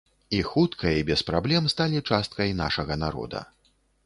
І хутка і без праблем сталі часткай нашага народа.